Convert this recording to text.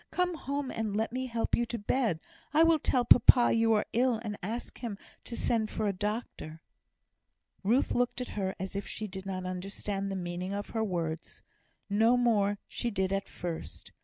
"Come home, and let me help you to bed. I will tell papa you are ill, and ask him to send for a doctor." Ruth looked at her as if she did not understand the meaning of her words. No more she did at first.